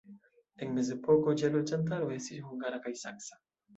En mezepoko ĝia loĝantaro estis hungara kaj saksa.